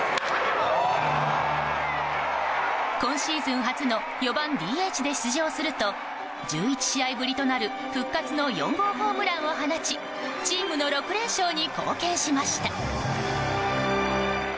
今シーズン初の４番ＤＨで出場すると１１試合ぶりとなる復活の４号ホームランを放ちチームの６連勝に貢献しました。